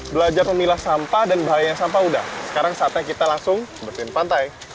belajar memilas sampah dan bahayanya sampah sudah sekarang saatnya kita langsung berhenti di pantai